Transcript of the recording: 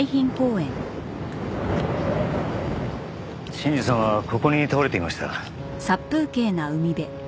信二さんはここに倒れていました。